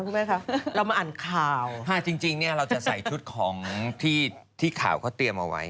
ไหมคะเรามาอ่านข่าวจริงเนี่ยเราจะใส่ชุดของที่ที่ข่าวเขาเตรียมเอาไว้